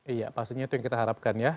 iya pastinya itu yang kita harapkan ya